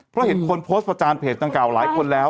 เพราะเห็นคนโพสต์ประจานเพจดังกล่าหลายคนแล้ว